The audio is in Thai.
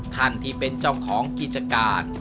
ท่านที่เป็นเจ้าของกิจการ